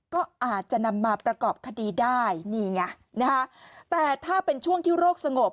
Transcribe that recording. กรอบคดีได้นี่ไงนะฮะแต่ถ้าเป็นช่วงที่โรคสงบ